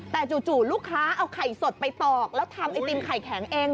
แต่จู่ลูกค้าเอาไข่สดไปตอกแล้วทำไอติมไข่แข็งเอง